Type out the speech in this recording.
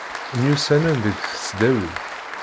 Myussanen deg tesdawit.